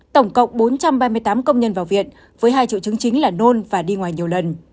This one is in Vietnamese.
tổng cộng bốn trăm ba mươi tám công nhân vào viện với hai triệu chứng chính là nôn và đi ngoài nhiều lần